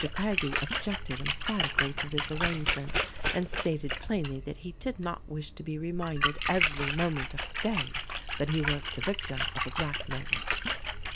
Craggie objected emphatically to this arrange ment and stated plainly that he did not wish to be reminded every moment of the day that he was the victim of a black mailer.